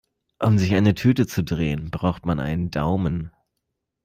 Um sich eine Tüte zu drehen, braucht man einen Daumen.